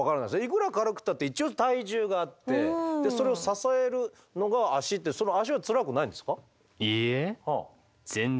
いくら軽くたって一応体重があってそれを支えるのが足ってその足はツラくないんですか？